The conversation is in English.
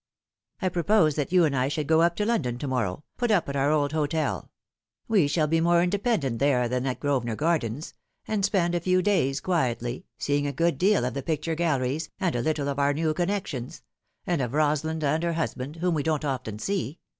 I propose that you and I should go up to London to morrow, put up at our old hotel we shall be more independent there than at Grosvenor Gardens and spend a few days quietly, seeing a good deal of the picture galleries, and a little of our new connections and of Rosalind and her husband, whom we don't often see.